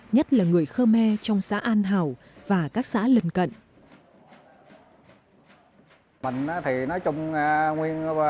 nhất là người khơ me trong xã an hảo và các xã lân cận